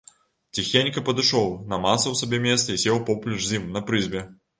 Ціхенька падышоў, намацаў сабе месца і сеў поплеч з ім на прызбе.